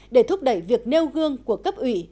để thúc đẩy việc nêu gương của cấp ủy